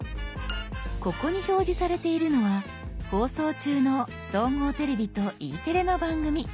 ここに表示されているのは放送中の「総合テレビ」と「Ｅテレ」の番組。